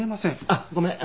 あっごめん。